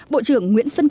bộ trưởng nguyễn xuân cửu